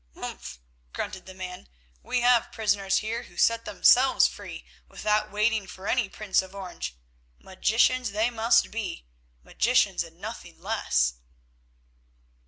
"Umph!" grunted the man, "we have prisoners here who set themselves free without waiting for any Prince of Orange. Magicians they must be—magicians and nothing less."